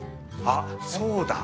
あっそうだ。